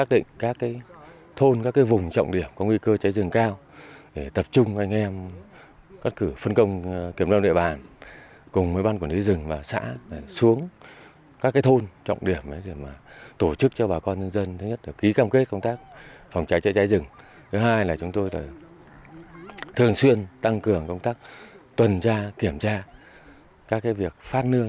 phòng cháy cháy rừng thứ hai là chúng tôi thường xuyên tăng cường công tác tuần tra kiểm tra các việc phát nương